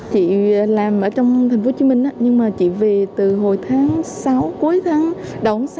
chị làm ở trong thành phố hồ chí minh nhưng mà chị về từ hồi tháng sáu cuối tháng đón sáu